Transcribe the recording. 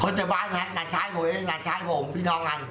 คนแต่บ้านหนักช้ายผมเองหนักช้ายผมพี่น้องกัน